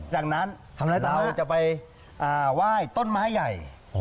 จากนั้นเราจะไปว้ายต้นไม้ใหญ่